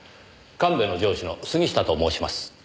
神戸の上司の杉下と申します。